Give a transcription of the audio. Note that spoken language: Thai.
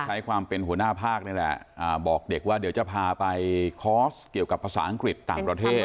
ใช้ความเป็นหัวหน้าภาคนี่แหละบอกเด็กว่าเดี๋ยวจะพาไปคอร์สเกี่ยวกับภาษาอังกฤษต่างประเทศ